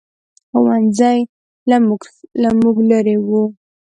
ښوؤنځی له موږ لرې ؤ